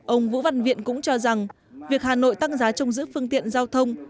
ông vũ văn viện cũng cho rằng việc hà nội tăng giá trông dữ phương tiện giao thông